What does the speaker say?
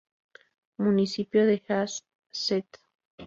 Municipio de East St.